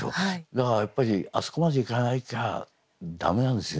だからやっぱりあそこまでいかなきゃ駄目なんですよね。